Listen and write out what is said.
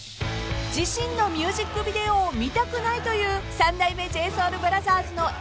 ［自身のミュージックビデオを見たくないという三代目ＪＳＯＵＬＢＲＯＴＨＥＲＳのＥＬＬＹさん］